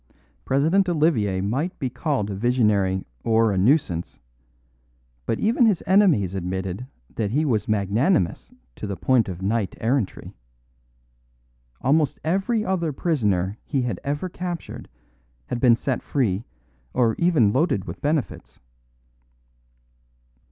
President Olivier might be called a visionary or a nuisance; but even his enemies admitted that he was magnanimous to the point of knight errantry. Almost every other prisoner he had ever captured had been set free or even loaded with benefits.